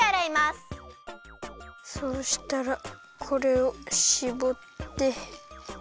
そうしたらこれをしぼって。